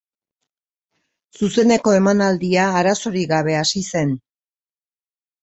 Zuzeneko emanaldia arazorik gabe hasi zen.